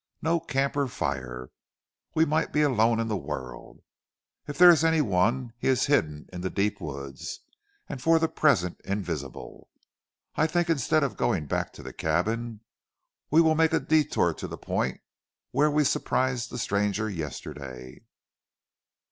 "No camp or fire, we might be alone in the world. If there is any one he is hidden in the deep woods, and for the present invisible. I think instead of going back to the cabin we will make a detour to the point where we surprised the stranger yesterday."